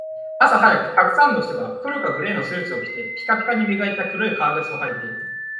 朝早く、沢山の人が黒かグレーのスーツを着て、ピカピカに磨いた黒い革靴を履いて